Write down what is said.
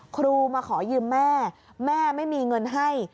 ครูมาขอยืมแม่แม่ไม่มีเงินให้